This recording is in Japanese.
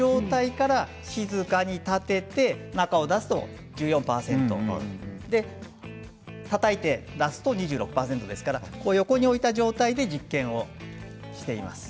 ここでお示ししたいのは最初、平らに置いた状態から静かに立てて中を出すと１４％たたいて出すと２６％ですから横に置いた状態で実験をしています。